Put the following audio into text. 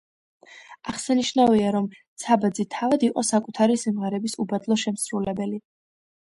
აღსანიშნავია, რომ ცაბაძე თავად იყო საკუთარი სიმღერების უბადლო შემსრულებელი.